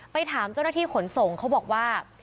ไปถามเจ้าหน้าที่ขนส่งเขาบอกว่า